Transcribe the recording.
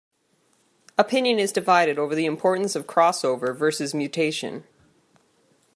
Opinion is divided over the importance of crossover versus mutation.